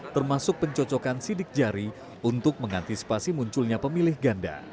termasuk pencocokan sidik jari untuk mengantisipasi munculnya pemilih ganda